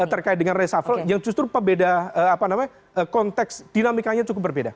terkait dengan resafel yang justru konteks dinamikanya cukup berbeda